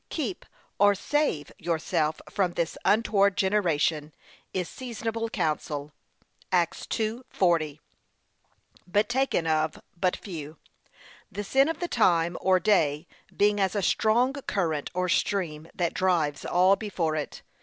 Keep or 'save yourselves from this untoward generation,' is seasonable counsel, (Acts 2:40) but taken of but few; the sin of the time, or day, being as a strong current or stream that drives all before it.